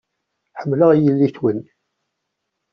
Ḥemmleɣ yelli-twen.